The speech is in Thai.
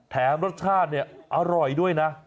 แถมรสชาติอร่อยด้วยนะ